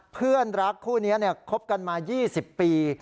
เพื่อนรักคู่นี้คบกันมา๒๐ปี